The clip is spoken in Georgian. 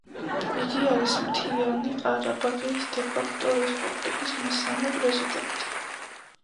იგი არის მთიანი ყარაბაღის დე-ფაქტო რესპუბლიკის მესამე პრეზიდენტი.